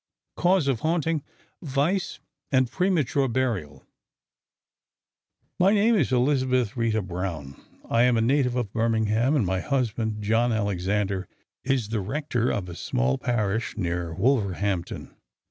Cause of haunting: Vice and Premature Burial My name is Elizabeth Rita Browne; I am a native of Birmingham and my husband, John Alexander is the rector of a small parish near Wolverhampton.